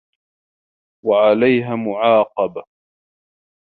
وَعَلَيْهَا مُعَاقَبٌ